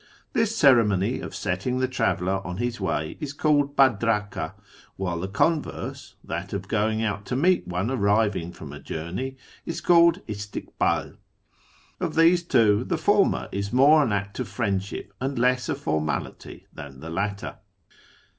This ceremony of setting the traveller on his way is called hadraka, while the converse — that of going out to meet one arriving from a journey — is called istikhdl. Of these two, the former is more an act of friendship and less a formality than the latter.